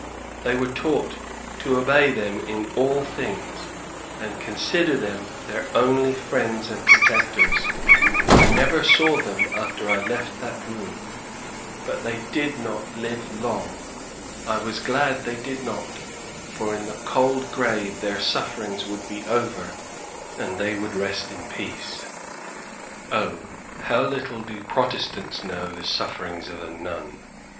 They were taught to obey them in all things, and consider them their only friends and protectors. I never saw them after I left that room, but they did not live long. I was glad they did not, for in the cold grave their sufferings would be over and they would rest in peace. O, how little do Protestants know the sufferings of a nun!